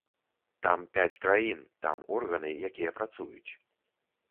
Там пяць краін, там органы, якія працуюць.